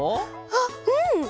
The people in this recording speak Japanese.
あっうん！